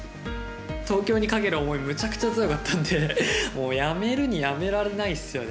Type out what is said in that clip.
東京にかける思いはむちゃくちゃ強かったのでやめるにやめられないですよね